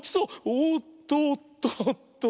おっとっとっと！